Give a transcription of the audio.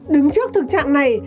đứng trước thực trạng này